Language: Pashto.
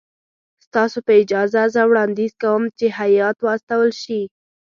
ستاسو په اجازه زه وړاندیز کوم چې هیات واستول شي.